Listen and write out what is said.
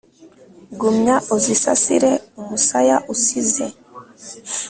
Gumya uzisasire umusaya usize